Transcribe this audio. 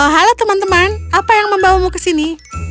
halo teman teman apa yang membawamu ke sini